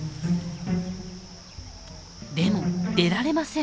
でも出られません。